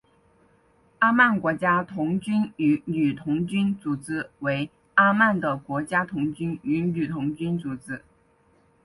阿曼国家童军与女童军组织为阿曼的国家童军与女童军组织。